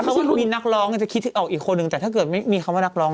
เขาก็มีนักร้องจะคิดออกอีกคนหนึ่งแต่ถ้าเกิดไม่มีคำว่านักร้อง